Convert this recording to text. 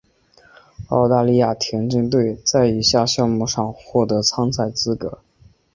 澳大利亚田径队在以下项目上获得参赛资格。